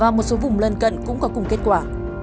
và một số vùng lân cận cũng có cùng kết quả